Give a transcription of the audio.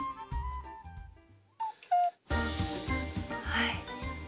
はい。